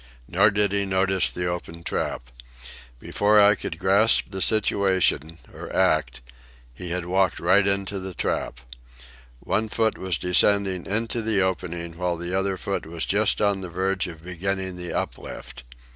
Nor did he notice the open trap. Before I could grasp the situation, or act, he had walked right into the trap. One foot was descending into the opening, while the other foot was just on the verge of beginning the uplift.